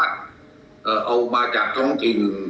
ขอบคุณทุกคน